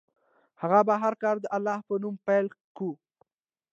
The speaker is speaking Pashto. هغه به هر کار د الله په نوم پیل کاوه.